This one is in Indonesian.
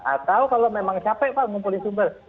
atau kalau memang capek pak ngumpulin sumber